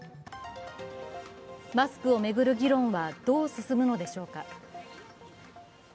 マスクを巡る議論はどう進むのでしょうか。